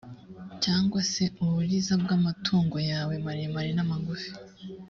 cyangwa se uburiza bw’amatungo yawe maremare n’amagufi,